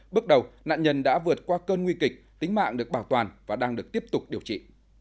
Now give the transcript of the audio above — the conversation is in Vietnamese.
bước đầu nạn nhân đã vượt qua cơn nguy kịch tính mạng được bảo toàn và đang được tiếp tục điều trị